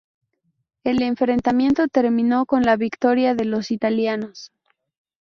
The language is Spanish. El enfrentamiento terminó con la victoria de los italianos.